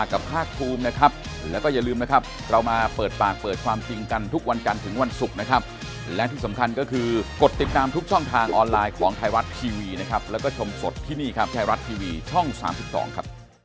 ขอบคุณครับวันนี้เวลาหมดแล้วขอบคุณครับ